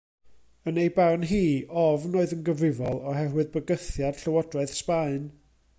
Yn ei barn hi, ofn oedd yn gyfrifol, oherwydd bygythiad Llywodraeth Sbaen.